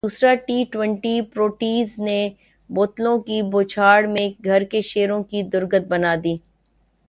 دوسرا T twenty Proteas نے بوتلوں کی بوچھاڑمیں گھر کے شیروں کی درگت بنادی